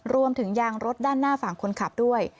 รวมถึงยางรถด้านหน้าฝั่งคนขับด้วย